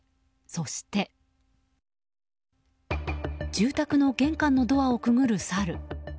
住宅の玄関のドアをくぐるサル。